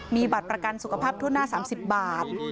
มีบัตรประกันสุขภาพทั่วหน้า๓๐บาท